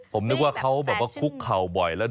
ผมนึกว่าเขาคุกข่าวบ่อยแล้ว